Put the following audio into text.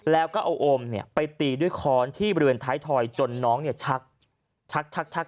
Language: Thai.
แล้วก็เอาโอมไปตีด้วยค้อนที่บริเวณท้ายทอยจนน้องชักชักชัก